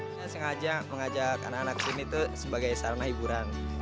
saya sengaja mengajak anak anak sini tuh sebagai sarana hiburan